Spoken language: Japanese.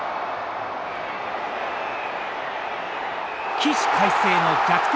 起死回生の逆転